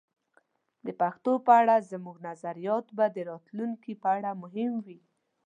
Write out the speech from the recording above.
د پښتو په اړه زموږ نظریات به د راتلونکي لپاره مهم وي.